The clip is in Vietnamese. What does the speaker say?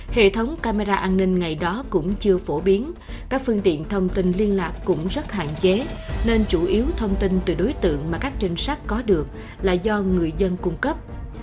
hệ thống camera an ninh ngày đó cũng chưa phổ biến các phương tiện thông tin liên lạc cũng rất hạn chế nên chủ yếu thông tin từ đối tượng mà các trinh sát có được là do người dân cung cấp